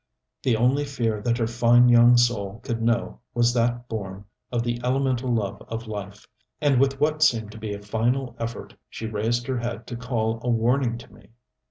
The only fear that her fine young soul could know was that born of the elemental love of life. And with what seemed to be a final effort she raised her head to call a warning to me.